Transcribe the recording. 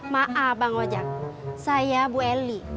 ma abang ojek saya bu eli